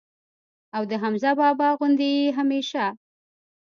او د حمزه بابا غوندي ئې هميشه